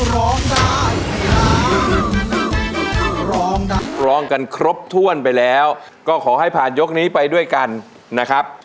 ร้องกันครบถ้วนไปแล้วก็ขอให้ผ่านยกนี้ไปด้วยกันนะครับ